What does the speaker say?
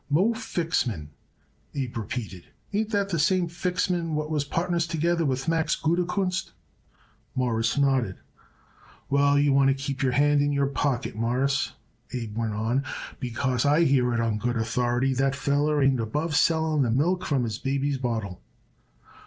"Moe Fixman," Abe repeated. "Ain't that the same Fixman what was partners together with Max Gudekunst?" Morris nodded. "Well, you want to keep your hand on your pocketbook, Mawruss," Abe went on, "because I hear it on good authority that feller ain't above selling the milk from his baby's bottle."